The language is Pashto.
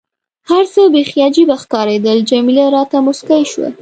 هر څه بیخي عجيبه ښکارېدل، جميله راته موسکۍ شوه.